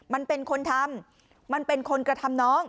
มันเป็นคนทำมันเป็นคนกระทำน้อง